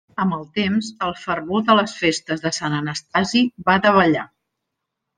Amb el temps el fervor de les festes de Sant Anastasi va davallar.